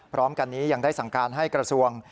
พร้อมกันนี้ยังได้สั่งการให้กระทรวง